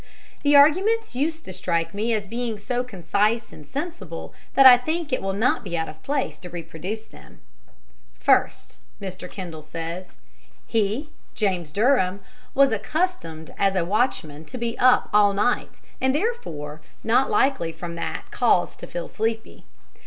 The arguments used strike me as being so concise and sensible that I think it will not be out of place to reproduce them. "First," Mr. Kendall says, "he (James Durham) was accustomed as watchman to be up all night, and therefore not likely from that cause to feel sleepy.